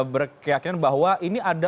berkeyakinan bahwa ini ada